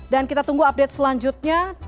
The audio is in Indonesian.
dan kita tunggu update selanjutnya